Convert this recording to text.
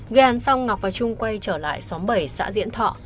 ghen xong ngọc và trung quay trở lại xóm bảy xã diễn thọ